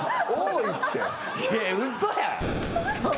いや嘘やん。